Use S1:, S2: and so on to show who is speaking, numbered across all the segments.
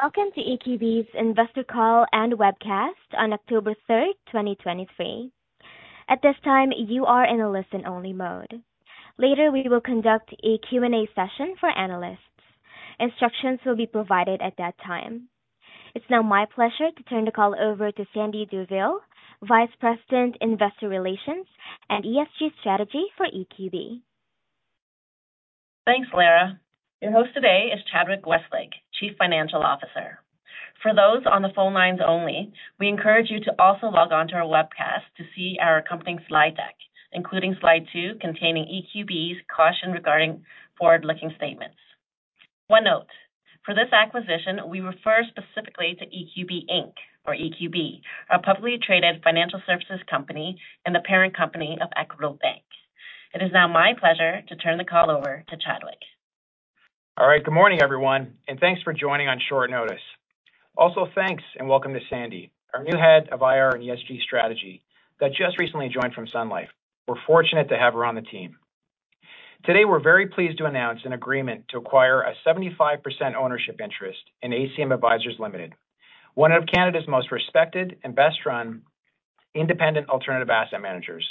S1: Welcome to EQB's Investor Call and Webcast on October 3rd, 2023. At this time, you are in a listen-only mode. Later, we will conduct a Q&A session for analysts. Instructions will be provided at that time. It's now my pleasure to turn the call over to Sandie Douville, Vice President, Investor Relations and ESG Strategy for EQB.
S2: Thanks, Laura. Your host today is Chadwick Westlake, Chief Financial Officer. For those on the phone lines only, we encourage you to also log on to our webcast to see our accompanying slide deck, including Slide 2, containing EQB's caution regarding forward-looking statements. One note, for this acquisition, we refer specifically to EQB Inc or EQB, a publicly traded financial services company and the parent company of Equitable Bank. It is now my pleasure to turn the call over to Chadwick.
S3: All right. Good morning, everyone, and thanks for joining on short notice. Also, thanks and welcome to Sandie, our new Head of IR and ESG Strategy that just recently joined from Sun Life. We're fortunate to have her on the team. Today, we're very pleased to announce an agreement to acquire a 75% ownership interest in ACM Advisors Limited, one of Canada's most respected and best-run independent alternative asset managers,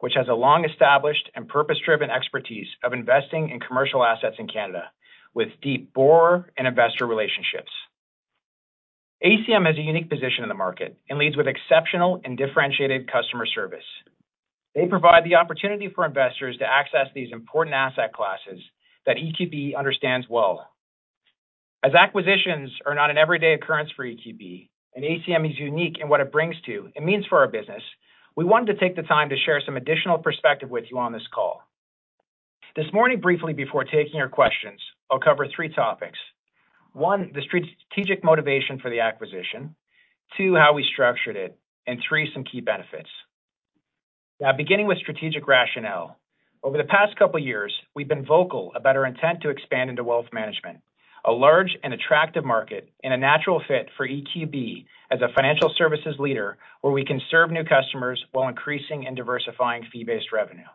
S3: which has a long-established and purpose-driven expertise of investing in commercial assets in Canada with deep, broad investor relationships. ACM has a unique position in the market and leads with exceptional and differentiated customer service. They provide the opportunity for investors to access these important asset classes that EQB understands well. As acquisitions are not an everyday occurrence for EQB, and ACM is unique in what it brings to and means for our business, we wanted to take the time to share some additional perspective with you on this call. This morning, briefly before taking your questions, I'll cover three topics: one, the strategic motivation for the acquisition. Two, how we structured it, and three, some key benefits. Now, beginning with strategic rationale. Over the past couple of years, we've been vocal about our intent to expand into wealth management, a large and attractive market and a natural fit for EQB as a financial services leader, where we can serve new customers while increasing and diversifying fee-based revenue.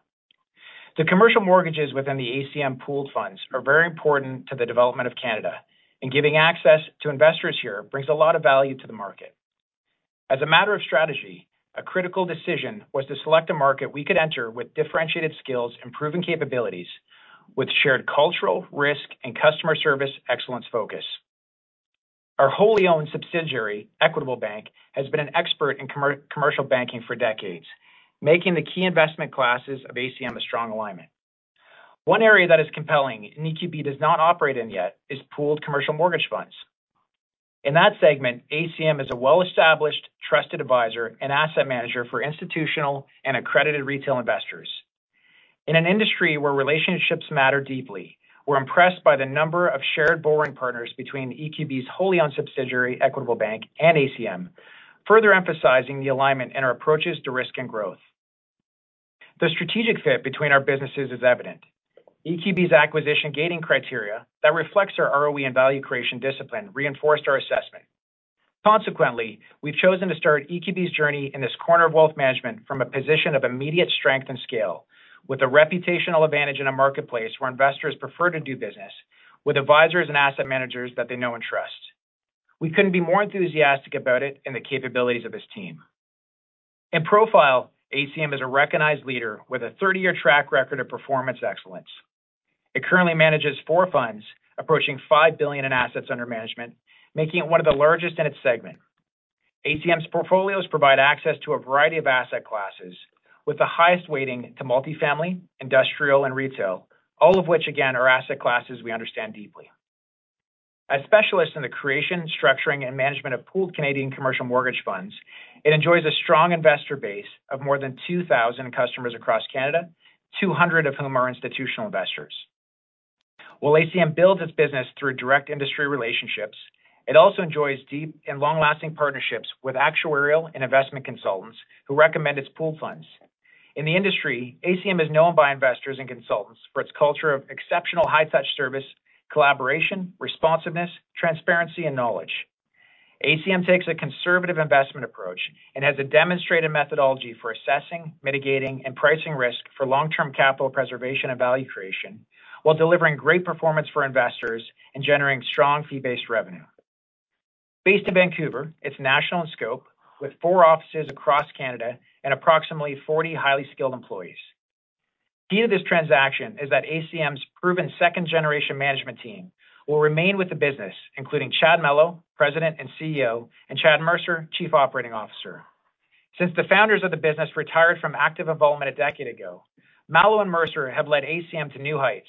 S3: The commercial mortgages within the ACM pooled funds are very important to the development of Canada, and giving access to investors here brings a lot of value to the market. As a matter of strategy, a critical decision was to select a market we could enter with differentiated skills and proven capabilities with shared cultural, risk, and customer service excellence focus. Our wholly-owned subsidiary, Equitable Bank, has been an expert in commercial banking for decades, making the key investment classes of ACM a strong alignment. One area that is compelling and EQB does not operate in yet is pooled commercial mortgage funds. In that segment, ACM is a well-established, trusted advisor and asset manager for institutional and accredited retail investors. In an industry where relationships matter deeply, we're impressed by the number of shared borrowing partners between EQB's wholly-owned subsidiary, Equitable Bank, and ACM, further emphasizing the alignment in our approaches to risk and growth. The strategic fit between our businesses is evident. EQB's acquisition gating criteria that reflects our ROE and value creation discipline reinforced our assessment. Consequently, we've chosen to start EQB's journey in this corner of wealth management from a position of immediate strength and scale, with a reputational advantage in a marketplace where investors prefer to do business with advisors and asset managers that they know and trust. We couldn't be more enthusiastic about it and the capabilities of this team. In profile, ACM is a recognized leader with a 30-year track record of performance excellence. It currently manages four funds, approaching 5 billion in assets under management, making it one of the largest in its segment. ACM's portfolios provide access to a variety of asset classes with the highest weighting to multifamily, industrial, and retail, all of which, again, are asset classes we understand deeply. As specialists in the creation, structuring, and management of pooled Canadian commercial mortgage funds, it enjoys a strong investor base of more than 2,000 customers across Canada, 200 of whom are institutional investors. While ACM builds its business through direct industry relationships, it also enjoys deep and long-lasting partnerships with actuarial and investment consultants who recommend its pool funds. In the industry, ACM is known by investors and consultants for its culture of exceptional high-touch service, collaboration, responsiveness, transparency, and knowledge. ACM takes a conservative investment approach and has a demonstrated methodology for assessing, mitigating, and pricing risk for long-term capital preservation and value creation, while delivering great performance for investors and generating strong fee-based revenue. Based in Vancouver, it's national in scope, with four offices across Canada and approximately 40 highly skilled employees. Key to this transaction is that ACM's proven second-generation management team will remain with the business, including Chad Mallow, President and CEO, and Chad Mercer, Chief Operating Officer. Since the founders of the business retired from active involvement a decade ago, Mallow and Mercer have led ACM to new heights.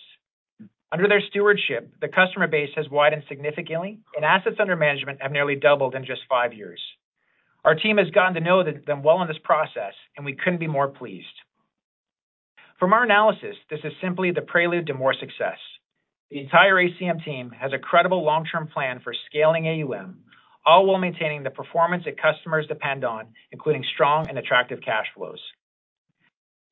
S3: Under their stewardship, the customer base has widened significantly, and assets under management have nearly doubled in just five years. Our team has gotten to know them well in this process, and we couldn't be more pleased. From our analysis, this is simply the prelude to more success. The entire ACM team has a credible long-term plan for scaling AUM, all while maintaining the performance that customers depend on, including strong and attractive cash flows.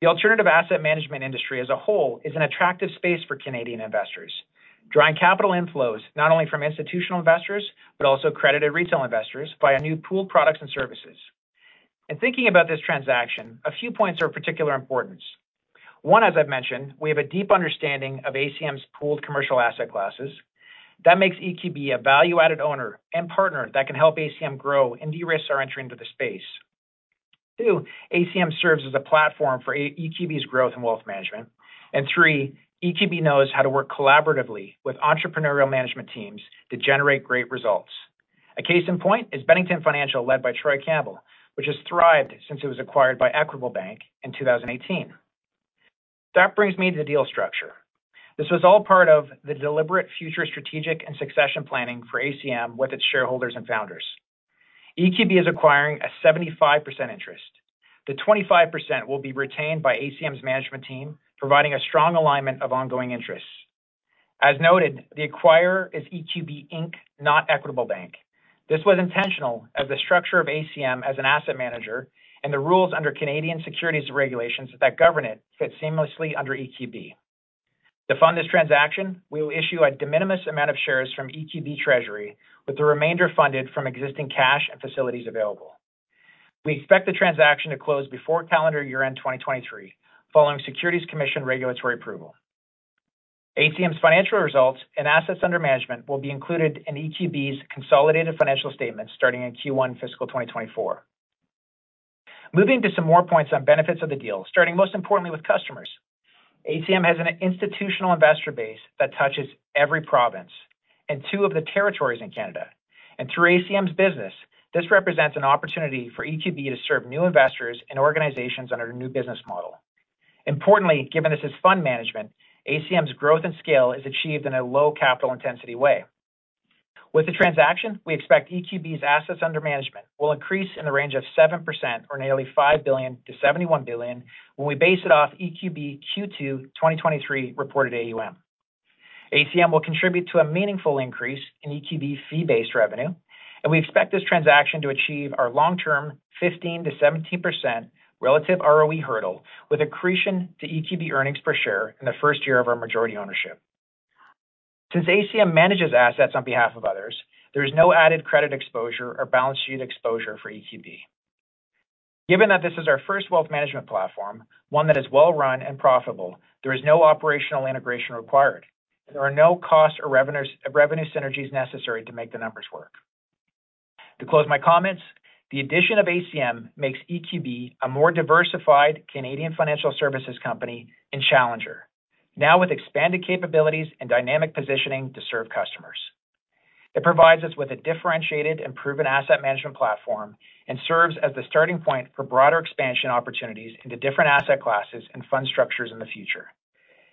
S3: The alternative asset management industry as a whole is an attractive space for Canadian investors, drawing capital inflows not only from institutional investors but also accredited retail investors via new pool products and services. In thinking about this transaction, a few points are of particular importance. One, as I've mentioned, we have a deep understanding of ACM's pooled commercial asset classes. That makes EQB a value-added owner and partner that can help ACM grow and de-risk our entry into the space. Two, ACM serves as a platform for EQB's growth and wealth management. And three, EQB knows how to work collaboratively with entrepreneurial management teams to generate great results. A case in point is Bennington Financial, led by Troy Campbell, which has thrived since it was acquired by Equitable Bank in 2018. That brings me to the deal structure. This was all part of the deliberate future strategic and succession planning for ACM with its shareholders and founders. EQB is acquiring a 75% interest. The 25% will be retained by ACM's management team, providing a strong alignment of ongoing interests. As noted, the acquirer is EQB Inc., not Equitable Bank. This was intentional as the structure of ACM as an asset manager and the rules under Canadian securities regulations that govern it fit seamlessly under EQB. To fund this transaction, we will issue a de minimis amount of shares from EQB treasury, with the remainder funded from existing cash and facilities available. We expect the transaction to close before calendar year-end 2023, following Securities Commission regulatory approval. ACM's financial results and assets under management will be included in EQB's consolidated financial statements starting in Q1 fiscal 2024. Moving to some more points on benefits of the deal, starting most importantly with customers. ACM has an institutional investor base that touches every province and two of the territories in Canada. Through ACM's business, this represents an opportunity for EQB to serve new investors and organizations under a new business model. Importantly, given this is fund management, ACM's growth and scale is achieved in a low capital intensity way. With the transaction, we expect EQB's assets under management will increase in the range of 7% or nearly 5 billion to 71 billion when we base it off EQB Q2 2023 reported AUM. ACM will contribute to a meaningful increase in EQB fee-based revenue, and we expect this transaction to achieve our long-term 15%-17% relative ROE hurdle, with accretion to EQB earnings per share in the first year of our majority ownership. Since ACM manages assets on behalf of others, there is no added credit exposure or balance sheet exposure for EQB. Given that this is our first wealth management platform, one that is well-run and profitable, there is no operational integration required. There are no costs or revenues, revenue synergies necessary to make the numbers work. To close my comments, the addition of ACM makes EQB a more diversified Canadian financial services company and challenger, now with expanded capabilities and dynamic positioning to serve customers. It provides us with a differentiated and proven asset management platform and serves as the starting point for broader expansion opportunities into different asset classes and fund structures in the future.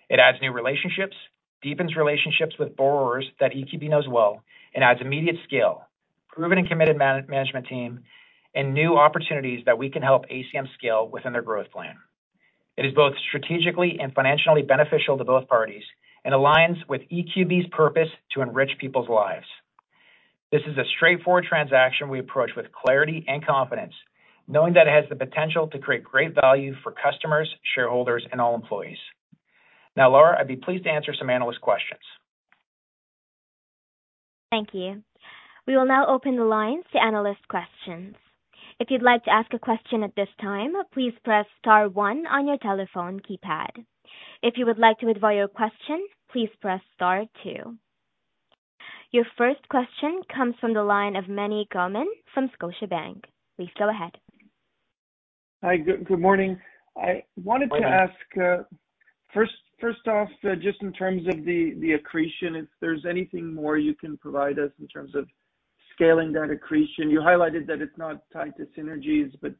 S3: It adds new relationships, deepens relationships with borrowers that EQB knows well, and adds immediate scale, proven and committed management team, and new opportunities that we can help ACM scale within their growth plan. It is both strategically and financially beneficial to both parties and aligns with EQB's purpose to enrich people's lives. This is a straightforward transaction we approach with clarity and confidence, knowing that it has the potential to create great value for customers, shareholders, and all employees. Now, Laura, I'd be pleased to answer some analyst questions.
S1: Thank you. We will now open the lines to analyst questions. If you'd like to ask a question at this time, please press star one on your telephone keypad. If you would like to withdraw your question, please press star two. Your first question comes from the line of Meny Grauman from Scotiabank. Please go ahead.
S4: Hi, good, good morning. I wanted to ask-
S3: Good morning.
S4: First off just in terms of the accretion if there's anything more you can provide us in terms of scaling that accretion. You highlighted that it's not tied to synergies but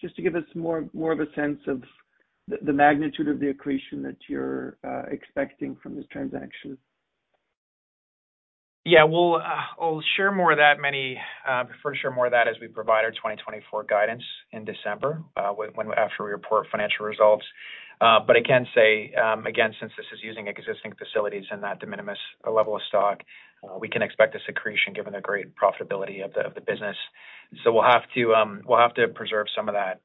S4: just to give us more of a sense of the magnitude of the accretion that you're expecting from this transaction.
S3: Yeah, we'll, I'll share more of that, Meny, for sure, more of that as we provide our 2024 guidance in December, when after we report financial results. But I can say, again, since this is using existing facilities and that de minimis level of stock, we can expect this accretion given the great profitability of the business. So we'll have to, we'll have to preserve some of that,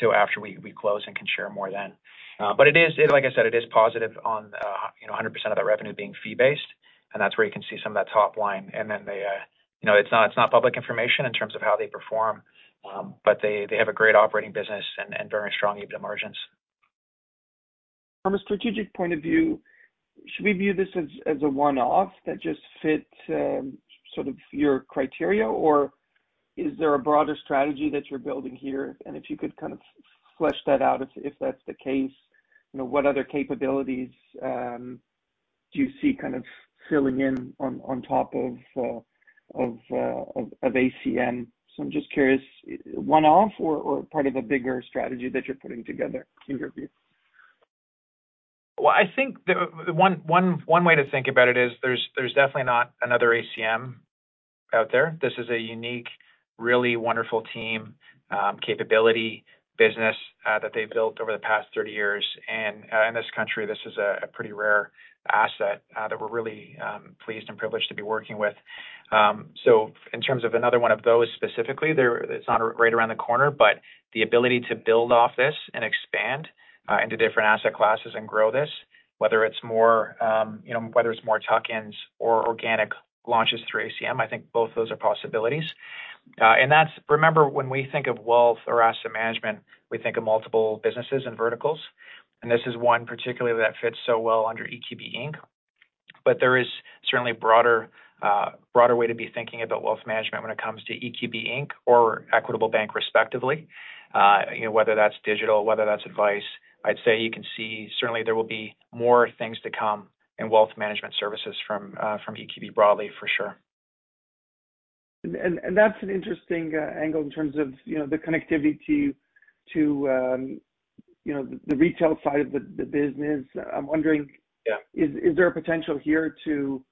S3: till after we close and can share more then. But it is, like I said, it is positive on, you know, 100% of that revenue being fee-based, and that's where you can see some of that top line. And then the, you know, it's not, it's not public information in terms of how they perform, but they, they have a great operating business and, and very strong EBITDA margins.
S4: From a strategic point of view, should we view this as a one-off that just fits sort of your criteria? Or is there a broader strategy that you're building here? And if you could kind of flesh that out, if that's the case, you know, what other capabilities do you see kind of filling in on top of ACM? So I'm just curious, one-off or part of a bigger strategy that you're putting together in your view?
S3: Well, I think the one way to think about it is there's definitely not another ACM out there. This is a unique, really wonderful team, capability business, that they've built over the past 30 years. And, in this country, this is a pretty rare asset, that we're really pleased and privileged to be working with. So in terms of another one of those specifically, they're—it's not right around the corner, but the ability to build off this and into different asset classes and grow this, whether it's more, you know, whether it's more tuck-ins or organic launches through ACM, I think both those are possibilities. And that's—remember, when we think of wealth or asset management, we think of multiple businesses and verticals, and this is one particularly that fits so well under EQB Inc. But there is certainly a broader, broader way to be thinking about wealth management when it comes to EQB Inc. or Equitable Bank, respectively. You know, whether that's digital, whether that's advice, I'd say you can see certainly there will be more things to come in wealth management services from, from EQB broadly, for sure.
S4: And that's an interesting angle in terms of, you know, the connectivity to you know, the retail side of the business. I'm wondering-
S3: Yeah.
S4: Is there a potential here to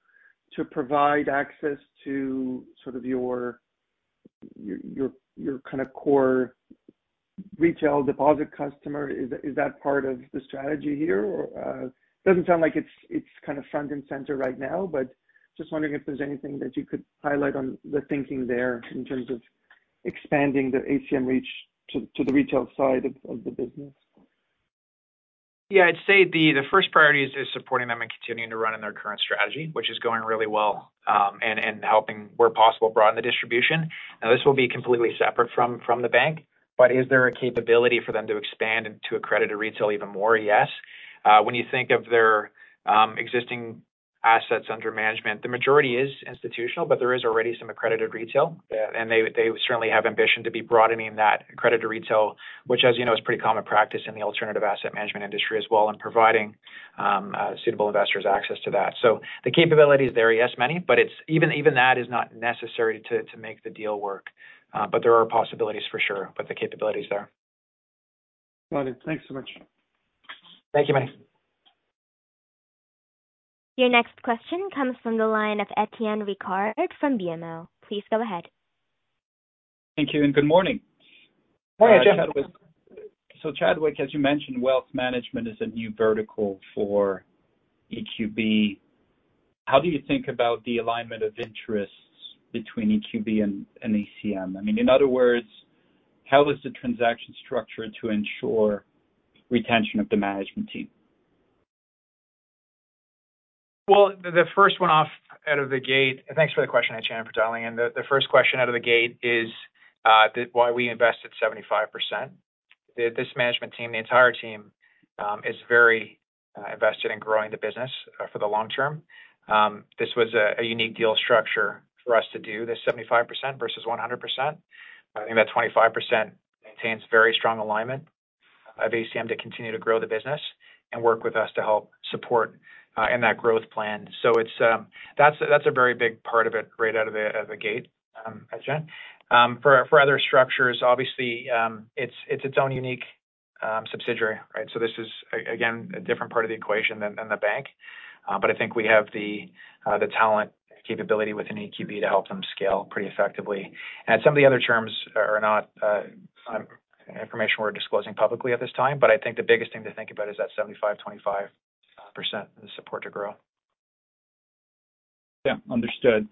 S4: provide access to sort of your, your kinda core retail deposit customer? Is that part of the strategy here, or... It doesn't sound like it's kind of front and center right now, but just wondering if there's anything that you could highlight on the thinking there in terms of expanding the ACM reach to the retail side of the business.
S3: Yeah, I'd say the first priority is supporting them and continuing to run on their current strategy, which is going really well, and helping, where possible, broaden the distribution. Now, this will be completely separate from the bank, but is there a capability for them to expand into accredited retail even more? Yes. When you think of their existing assets under management, the majority is institutional, but there is already some accredited retail. And they certainly have ambition to be broadening that accredited retail, which, as you know, is pretty common practice in the alternative asset management industry as well, and providing suitable investors access to that. So the capability is there, yes, many, but it's even that is not necessary to make the deal work. But there are possibilities for sure with the capabilities there.
S4: Got it. Thanks so much.
S3: Thank you, Mike.
S1: Your next question comes from the line of Étienne Ricard from BMO. Please go ahead.
S5: Thank you, and good morning.
S3: Morning, Etienne.
S5: So, Chadwick, as you mentioned, wealth management is a new vertical for EQB. How do you think about the alignment of interests between EQB and ACM? I mean, in other words, how is the transaction structured to ensure retention of the management team?
S3: Well, the first one out of the gate. Thanks for the question, Étienne, for dialing in. The first question out of the gate is the why we invested 75%. This management team, the entire team, is very invested in growing the business for the long term. This was a unique deal structure for us to do, this 75% versus 100%. I think that 25% maintains very strong alignment of ACM to continue to grow the business and work with us to help support in that growth plan. So it's that's a very big part of it right out of the gate, Étienne. For other structures, obviously, it's its own unique subsidiary, right? This is, again, a different part of the equation than the bank. But I think we have the talent capability within EQB to help them scale pretty effectively. And some of the other terms are not information we're disclosing publicly at this time, but I think the biggest thing to think about is that 75%-25%, the support to grow.
S5: Yeah, understood.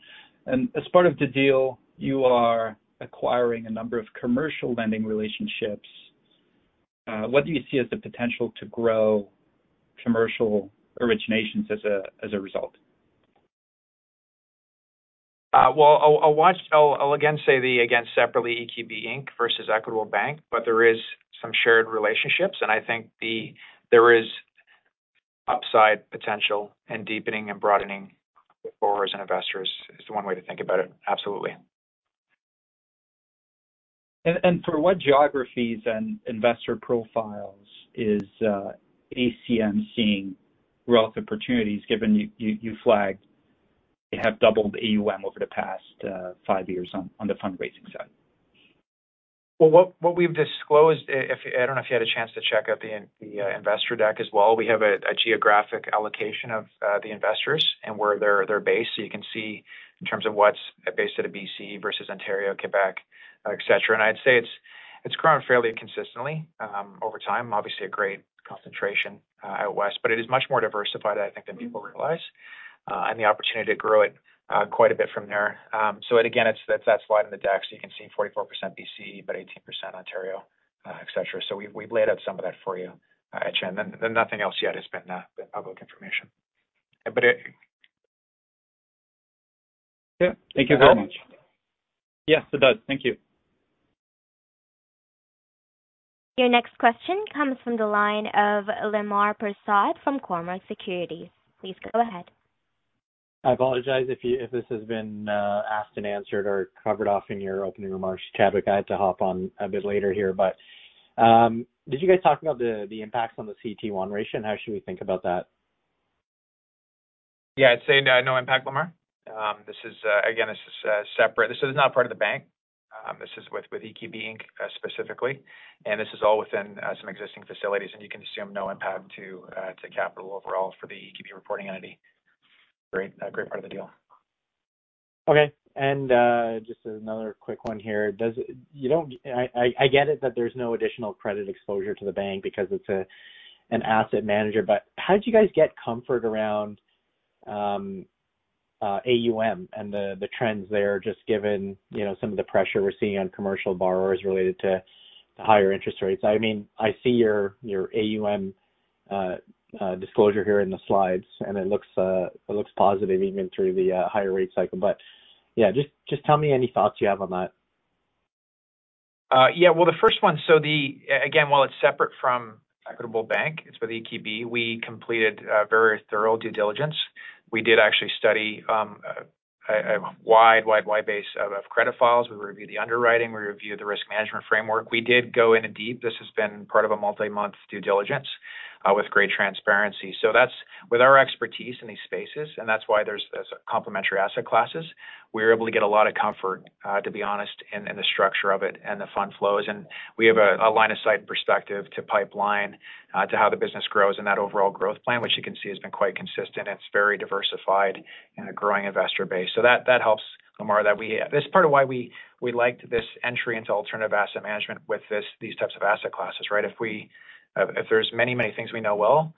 S5: As part of the deal, you are acquiring a number of commercial lending relationships. What do you see as the potential to grow commercial originations as a result?
S3: Well, I'll again say, again, separately, EQB Inc. versus Equitable Bank, but there is some shared relationships, and I think there is upside potential in deepening and broadening borrowers and investors, is one way to think about it. Absolutely.
S5: And for what geographies and investor profiles is ACM seeing growth opportunities, given you flagged they have doubled AUM over the past five years on the fundraising side?
S3: Well, what we've disclosed, if I don't know if you had a chance to check out the investor deck as well. We have a geographic allocation of the investors and where they're based, so you can see in terms of what's based out of BC versus Ontario, Quebec, et cetera. And I'd say it's grown fairly and consistently over time. Obviously, a great concentration out west, but it is much more diversified, I think, than people realize. And the opportunity to grow it quite a bit from there. So again, it's that slide in the deck, so you can see 44% BC, but 18% Ontario, et cetera. So we've laid out some of that for you, Étienne. Then nothing else yet has been public information. But it-
S5: Yeah. Thank you very much. Yes, it does. Thank you.
S1: Your next question comes from the line of Lemar Persaud from Cormark Securities. Please go ahead.
S6: I apologize if this has been asked and answered or covered off in your opening remarks, Chadwick. I had to hop on a bit later here, but did you guys talk about the impacts on the CET1 ratio, and how should we think about that?
S3: Yeah, I'd say no impact, Lemar. This is, again, this is separate. This is not part of the bank. This is with EQB Inc., specifically, and this is all within some existing facilities, and you can assume no impact to capital overall for the EQB reporting entity. Great, great part of the deal.
S6: Okay. And, just another quick one here. I get it that there's no additional credit exposure to the bank because it's a, an asset manager, but how did you guys get comfort around AUM and the trends there, just given, you know, some of the pressure we're seeing on commercial borrowers related to the higher interest rates. I mean, I see your AUM disclosure here in the slides, and it looks positive even through the higher rate cycle. But yeah, just tell me any thoughts you have on that.
S3: Yeah. Well, the first one, so again, while it's separate from Equitable Bank, it's with EQB. We completed a very thorough due diligence. We did actually study a wide base of credit files. We reviewed the underwriting, we reviewed the risk management framework. We did go in deep. This has been part of a multi-month due diligence with great transparency. So that's with our expertise in these spaces, and that's why there's complementary asset classes. We're able to get a lot of comfort, to be honest, in the structure of it and the fund flows. And we have a line of sight perspective to pipeline, to how the business grows and that overall growth plan, which you can see has been quite consistent. It's very diversified in a growing investor base. So that, that helps, Lemar, that we... This is part of why we, we liked this entry into alternative asset management with these types of asset classes, right? If we, if there's many, many things we know well,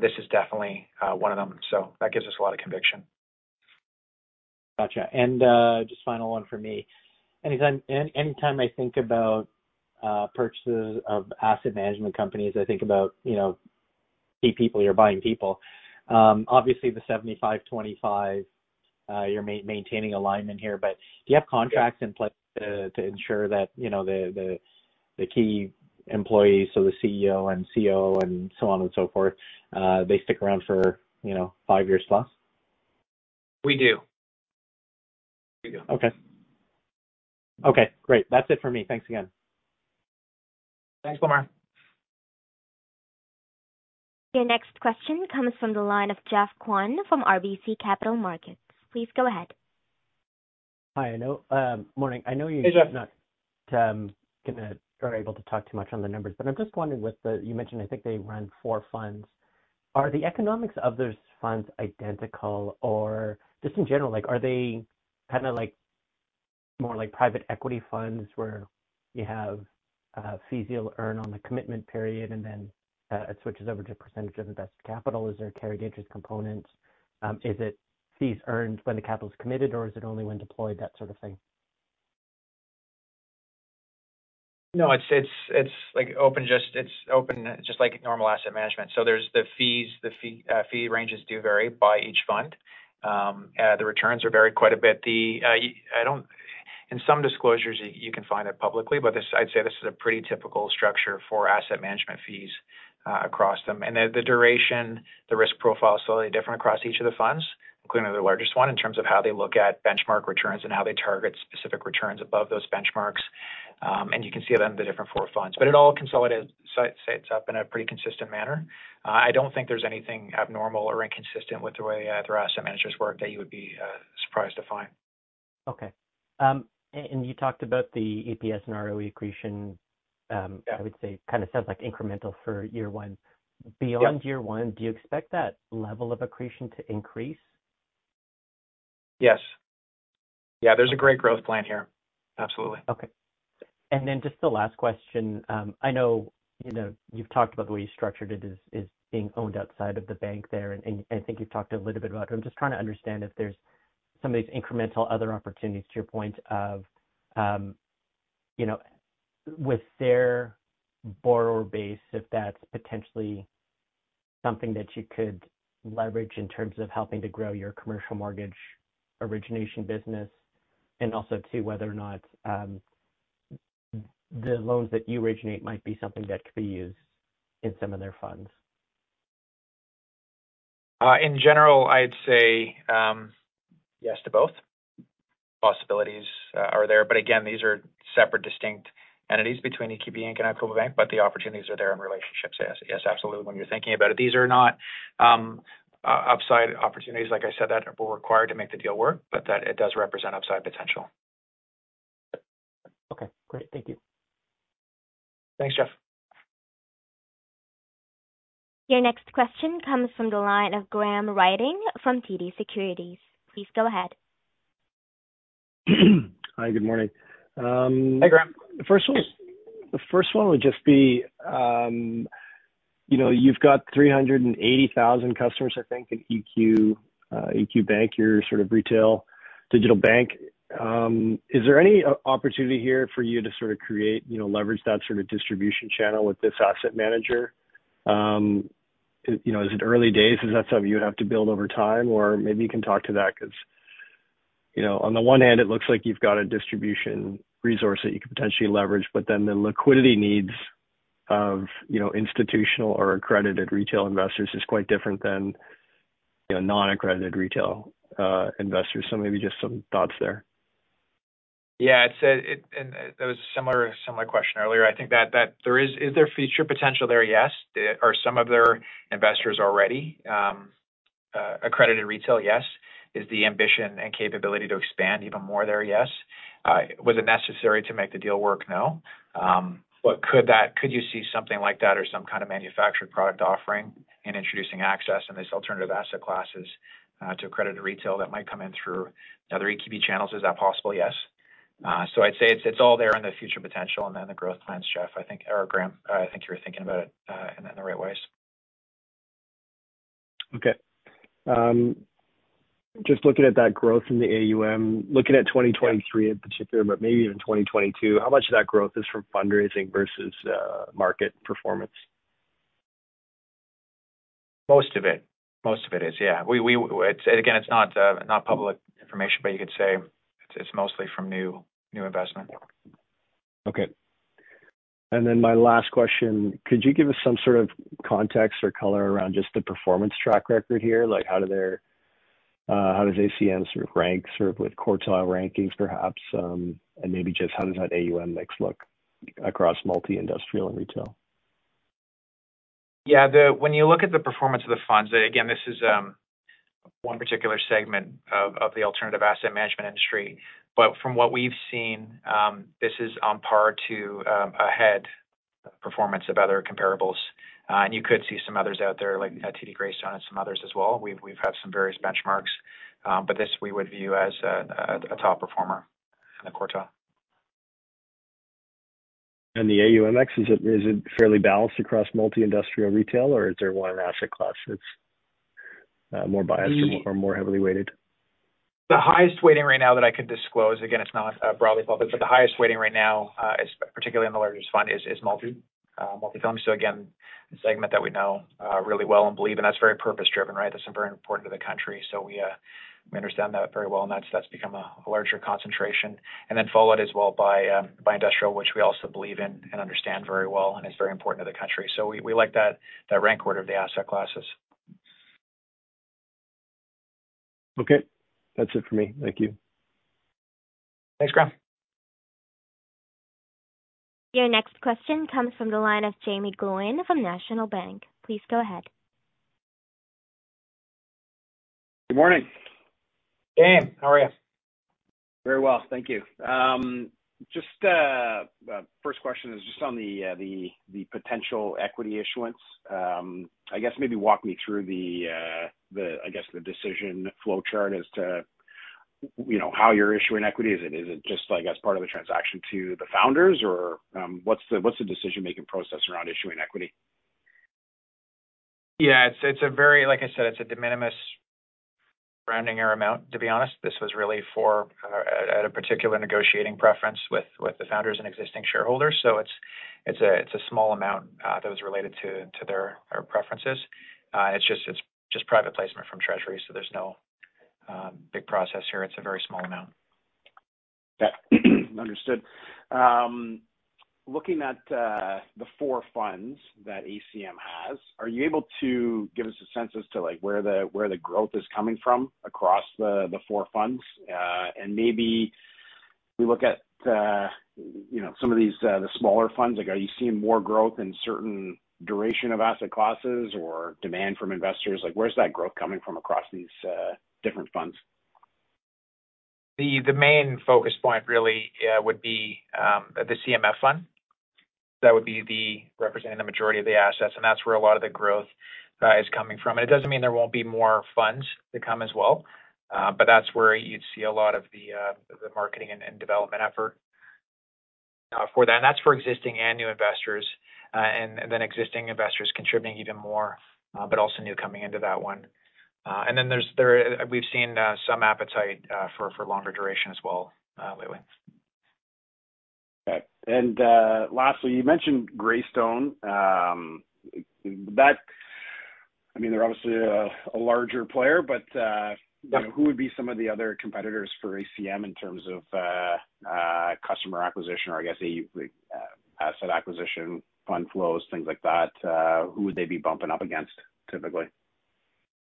S3: this is definitely, one of them. So that gives us a lot of conviction.
S6: Gotcha. And, just final one for me. Anytime I think about purchases of asset management companies, I think about, you know, key people, you're buying people. Obviously, the 75%, 25%, you're maintaining alignment here, but do you have contracts in place to ensure that, you know, the key employees, so the CEO and CO and so on and so forth, they stick around for, you know, five years plus?
S3: We do. We do.
S6: Okay. Okay, great. That's it for me. Thanks again.
S3: Thanks, Lemar.
S1: Your next question comes from the line of Geoff Kwan from RBC Capital Markets. Please go ahead.
S7: Hi, I know, Morning.
S3: Hey, Geoff.
S7: I know you're not gonna or able to talk too much on the numbers, but I'm just wondering, with the-- You mentioned, I think they run four funds. Are the economics of those funds identical? Or just in general, like, are they kind of like more like private equity funds, where you have fees you'll earn on the commitment period, and then it switches over to percentage of invested capital? Is there a carried interest component? Is it fees earned when the capital is committed, or is it only when deployed, that sort of thing?
S3: No, it's like open just. It's open, just like normal asset management. So there's the fees. The fee ranges do vary by each fund. The returns are varied quite a bit. In some disclosures, you can find it publicly, but this, I'd say this is a pretty typical structure for asset management fees across them. And the duration, the risk profile is slightly different across each of the funds, including the largest one, in terms of how they look at benchmark returns and how they target specific returns above those benchmarks. And you can see then the different four funds, but it all consolidated, so it adds up in a pretty consistent manner. I don't think there's anything abnormal or inconsistent with the way their asset managers work that you would be surprised to find.
S7: Okay. And you talked about the EPS and ROE accretion.
S3: Yeah.
S7: I would say kind of sounds like incremental for year one.
S3: Yeah.
S7: Beyond year one, do you expect that level of accretion to increase?
S3: Yes. Yeah, there's a great growth plan here. Absolutely.
S7: Okay. And then just the last question. I know, you know, you've talked about the way you structured it is being owned outside of the bank there, and I think you've talked a little bit about it. I'm just trying to understand if there's some of these incremental other opportunities, to your point, of, you know, with their borrower base, if that's potentially something that you could leverage in terms of helping to grow your commercial mortgage origination business, and also, too, whether or not the loans that you originate might be something that could be used in some of their funds.
S3: In general, I'd say, yes to both. Possibilities are there, but again, these are separate, distinct entities between EQB Inc. and Equitable Bank, but the opportunities are there and relationships. Yes, yes, absolutely, when you're thinking about it. These are not, upside opportunities, like I said, that were required to make the deal work, but that it does represent upside potential.
S7: Okay, great. Thank you.
S3: Thanks, Geoff.
S1: Your next question comes from the line of Graham Ryding from TD Securities. Please go ahead.
S8: Hi, good morning.
S3: Hey, Graham.
S8: The first one, the first one would just be, you know, you've got 380,000 customers, I think, in EQ Bank, your sort of retail digital bank. Is there any opportunity here for you to sort of create, you know, leverage that sort of distribution channel with this asset manager? You know, is it early days? Is that something you would have to build over time? Or maybe you can talk to that, 'cause, you know, on the one hand, it looks like you've got a distribution resource that you could potentially leverage, but then the liquidity needs of, you know, institutional or accredited retail investors is quite different than, you know, non-accredited retail investors. So maybe just some thoughts there.
S3: Yeah, it said, it and there was a similar question earlier. I think that there is... Is there future potential there? Yes. Are some of their investors already accredited retail? Yes. Is the ambition and capability to expand even more there? Yes. Was it necessary to make the deal work? No. But could that could you see something like that or some kind of manufactured product offering in introducing access in this alternative asset classes to accredited retail that might come in through other EQB channels? Is that possible? Yes. So I'd say it's all there in the future potential and then the growth plans, Geoff, I think, or Graham, I think you were thinking about it in the right ways.
S8: Okay. Just looking at that growth in the AUM, looking at 2023 in particular, but maybe even 2022, how much of that growth is from fundraising versus, market performance?
S3: Most of it. Most of it is, yeah. We. Again, it's not public information, but you could say it's mostly from new investment.
S8: Okay. And then my last question, could you give us some sort of context or color around just the performance track record here? Like, how does ACM sort of rank, sort of with quartile rankings perhaps, and maybe just how does that AUM mix look across multi-industrial and retail?
S3: Yeah, when you look at the performance of the funds, again, this is one particular segment of the alternative asset management industry. But from what we've seen, this is on par to ahead performance of other comparables. And you could see some others out there, like, at TD Greystone and some others as well. We've had some various benchmarks, but this we would view as a top performer in the quartile.
S8: The AUM, is it, is it fairly balanced across multi-industrial retail, or is there one asset class that's more biased or more heavily weighted?
S3: The highest weighting right now that I could disclose, again, it's not broadly public, but the highest weighting right now is particularly in the largest fund, is multi-family. So again, a segment that we know really well and believe in, that's very purpose-driven, right? That's very important to the country. So we understand that very well, and that's become a larger concentration. And then followed as well by industrial, which we also believe in and understand very well, and it's very important to the country. So we like that rank order of the asset classes.
S8: Okay, that's it for me. Thank you.
S3: Thanks, Graham.
S1: Your next question comes from the line of Jaeme Gloyn from National Bank. Please go ahead.
S9: Good morning.
S3: Jaeme, how are you?
S9: Very well, thank you. Just, first question is just on the potential equity issuance. I guess maybe walk me through the I guess the decision flowchart as to, you know, how you're issuing equity. Is it just, I guess, part of the transaction to the founders or what's the decision-making process around issuing equity?
S3: Yeah, it's a very—like I said—it's a de minimis rounding error amount, to be honest. This was really for a particular negotiating preference with the founders and existing shareholders. So it's a small amount that was related to their preferences. It's just private placement from Treasury, so there's no big process here. It's a very small amount.
S9: Yeah. Understood. Looking at the four funds that ACM has, are you able to give us a sense as to, like, where the growth is coming from across the four funds? And maybe we look at, you know, some of these, the smaller funds, like, are you seeing more growth in certain duration of asset classes or demand from investors? Like, where's that growth coming from across these different funds?
S3: The main focus point really would be the CMF Fund. That would be the representing the majority of the assets, and that's where a lot of the growth is coming from. It doesn't mean there won't be more funds to come as well, but that's where you'd see a lot of the marketing and development effort for that. And that's for existing and new investors, and then existing investors contributing even more, but also new coming into that one. And then we've seen some appetite for longer duration as well lately.
S9: Okay. And, lastly, you mentioned Greystone. I mean, they're obviously a larger player, but.
S3: Yeah.
S9: Who would be some of the other competitors for ACM in terms of customer acquisition or I guess the asset acquisition, fund flows, things like that, who would they be bumping up against typically?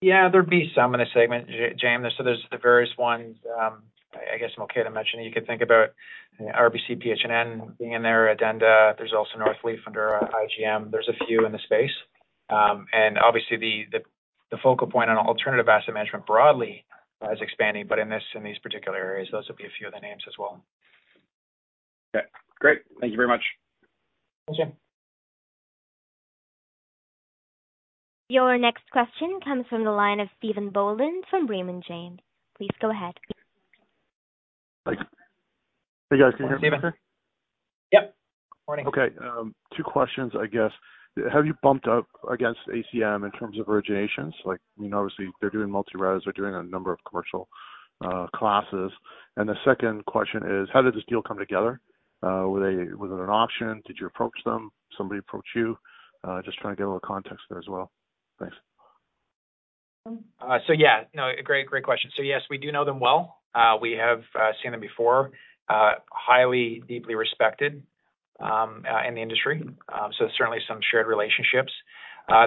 S3: Yeah, there'd be some in the segment, Jaeme. So there's the various ones. I guess I'm okay to mention. You could think about RBC PH&N being in there, Addenda. There's also Northleaf under IGM. There's a few in the space. And obviously, the focal point on alternative asset management broadly is expanding, but in this, in these particular areas, those will be a few of the names as well.
S9: Okay, great. Thank you very much.
S3: Thanks, Jaeme.
S1: Your next question comes from the line of Stephen Boland from Raymond James. Please go ahead.
S10: Thanks. Hey, guys, can you hear me?
S3: Yep. Morning.
S10: Okay, two questions, I guess. Have you bumped up against ACM in terms of originations? Like, I mean, obviously, they're doing multi-res, they're doing a number of commercial classes. And the second question is: How did this deal come together? Was it an auction? Did you approach them? Somebody approach you? Just trying to get a little context there as well. Thanks.
S3: So yeah, no, great, great question. Yes, we do know them well. We have seen them before, highly, deeply respected in the industry. So certainly some shared relationships.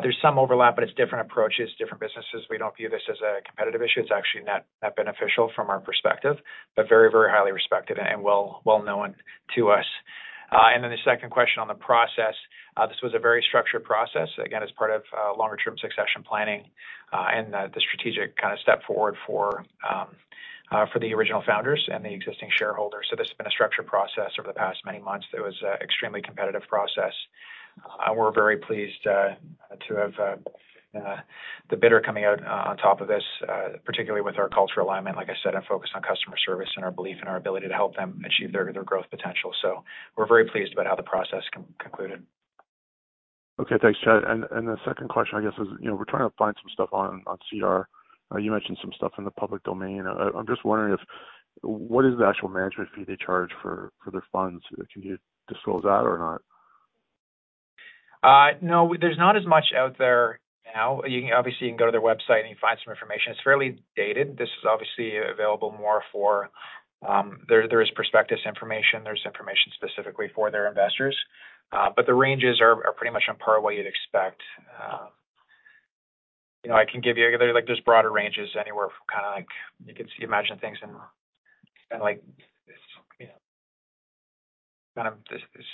S3: There's some overlap, but it's different approaches, different businesses. We don't view this as a competitive issue. It's actually net beneficial from our perspective, but very, very highly respected and well, well-known to us. And then the second question on the process. This was a very structured process, again, as part of longer-term succession planning, and the strategic kind of step forward for the original founders and the existing shareholders. So this has been a structured process over the past many months. It was a extremely competitive process. We're very pleased to have the bidder coming out on top of this, particularly with our cultural alignment, like I said, and focus on customer service and our belief in our ability to help them achieve their growth potential. So we're very pleased about how the process concluded.
S10: Okay, thanks, Chad. And the second question, I guess, is, you know, we're trying to find some stuff on CR. You mentioned some stuff in the public domain. I'm just wondering if what is the actual management fee they charge for their funds? Can you disclose that or not?
S3: No, there's not as much out there now. You can obviously, you can go to their website and you find some information. It's fairly dated. This is obviously available more for, there is prospectus information. There's information specifically for their investors, but the ranges are pretty much on par what you'd expect. You know, I can give you, like, just broader ranges anywhere from kinda, like, you can see imagine things in kinda like, you know, kind of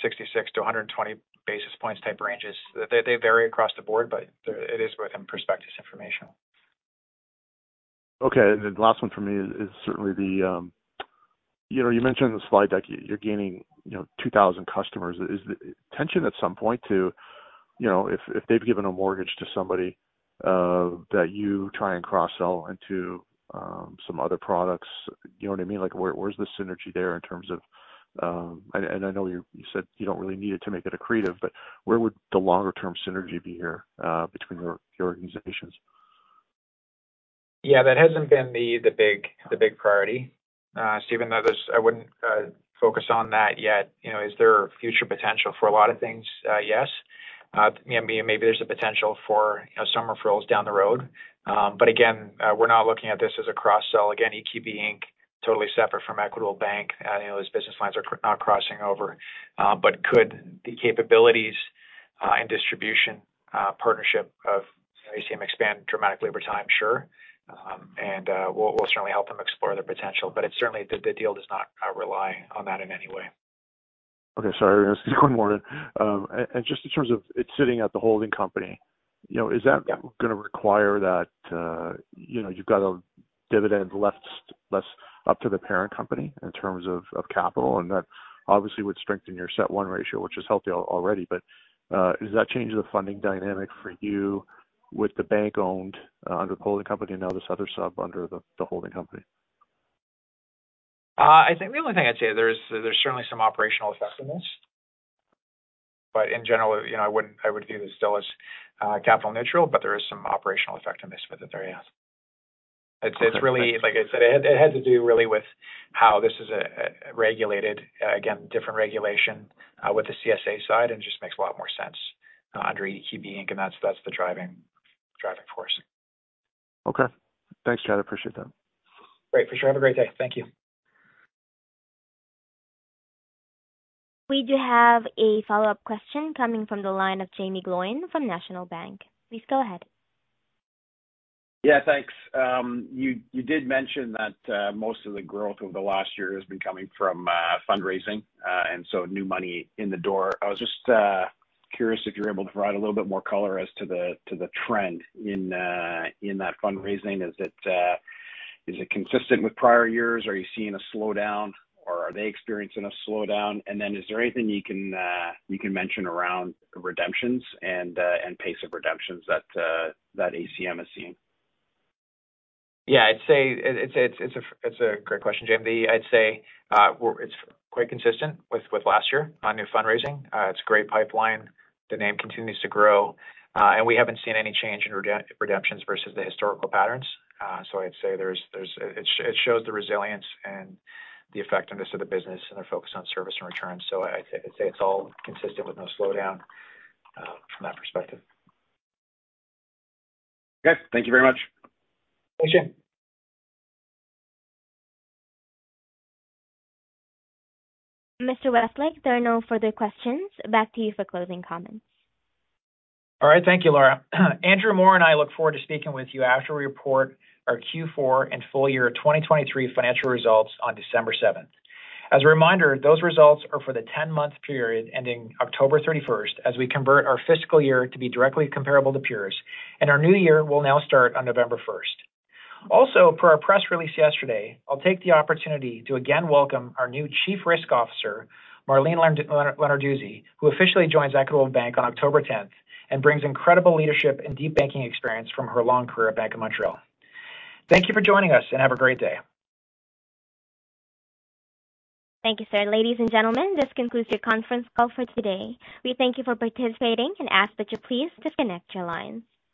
S3: 66-120 basis points type ranges. They vary across the board, but they're it is in prospectus information.
S10: Okay. And then the last one for me is certainly the, you know, you mentioned in the slide deck, you're gaining, you know, 2,000 customers. Is the intention at some point to, you know, if they've given a mortgage to somebody, that you try and cross-sell into some other products? You know what I mean? Like, where's the synergy there in terms of... And I know you said you don't really need it to make it accretive, but where would the longer-term synergy be here between your organizations?
S3: Yeah, that hasn't been the big priority. So even though this, I wouldn't focus on that yet, you know. Is there future potential for a lot of things? Yes. Maybe there's a potential for, you know, some referrals down the road. But again, we're not looking at this as a cross-sell. Again, EQB Inc. totally separate from Equitable Bank. You know, those business lines are not crossing over. But could the capabilities and distribution partnership of ACM expand dramatically over time? Sure. And we'll certainly help them explore their potential, but it certainly, the deal does not rely on that in any way.
S10: Okay, sorry, just one more. And just in terms of it sitting at the holding company, you know, is that-
S3: Yeah.
S10: Gonna require that, you know, you've got a dividend less, less up to the parent company in terms of, of capital, and that obviously would strengthen your CET1 ratio, which is healthy already. But, does that change the funding dynamic for you with the bank owned under the holding company and now this other sub under the, the holding company?
S3: I think the only thing I'd say, there's certainly some operational effectiveness, but in general, you know, I would view this still as capital neutral, but there is some operational effectiveness with it there, yes. It's really, like I said, it has to do really with how this is regulated. Again, different regulation with the CSA side, and it just makes a lot more sense under EQB Inc., and that's the driving force.
S10: Okay. Thanks, Chad. I appreciate that.
S3: Great. For sure. Have a great day. Thank you.
S1: We do have a follow-up question coming from the line of Jaeme Gloyn from National Bank. Please go ahead.
S9: Yeah, thanks. You did mention that most of the growth over the last year has been coming from fundraising and so new money in the door. I was just curious if you're able to provide a little bit more color as to the trend in that fundraising. Is it consistent with prior years, or are you seeing a slowdown, or are they experiencing a slowdown? And then is there anything you can mention around redemptions and pace of redemptions that ACM is seeing?
S3: Yeah, I'd say it's a great question, Jaeme. I'd say we're quite consistent with last year on new fundraising. It's a great pipeline. The name continues to grow, and we haven't seen any change in redemptions versus the historical patterns. So I'd say it shows the resilience and the effectiveness of the business, and they're focused on service and returns. So I'd say it's all consistent with no slowdown from that perspective.
S9: Okay. Thank you very much.
S3: Thanks, Jaeme.
S1: Mr. Westlake, there are no further questions. Back to you for closing comments.
S3: All right. Thank you, Laura. Andrew Moor and I look forward to speaking with you after we report our Q4 and full year 2023 financial results on December 7. As a reminder, those results are for the 10-month period ending October 31st, as we convert our fiscal year to be directly comparable to peers, and our new year will now start on November 1st. Also, per our press release yesterday, I'll take the opportunity to again welcome our new Chief Risk Officer, Marlene Lenarduzzi, who officially joins Equitable Bank on October 10th and brings incredible leadership and deep banking experience from her long career at Bank of Montreal. Thank you for joining us, and have a great day.
S1: Thank you, sir. Ladies and gentlemen, this concludes your conference call for today. We thank you for participating and ask that you please disconnect your lines.